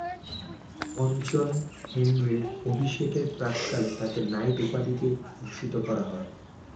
পঞ্চম হেনরির অভিষেকের প্রাক্কালে তাকে নাইট উপাধিতে ভূষিত করা হয়।